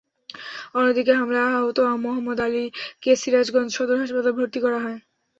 অন্যদিকে হামলায় আহত মোহাম্মদ আলীকে সিরাজগঞ্জ সদর হাসপাতালে ভর্তি করা হয়।